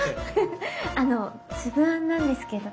あのつぶあんなんですけど。